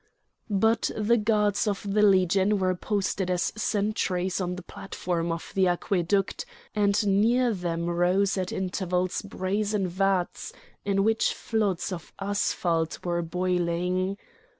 But the guards of the Legion were posted as sentries on the platform of the aqueduct, and near them rose at intervals brazen vats, in which floods of asphalt were boiling.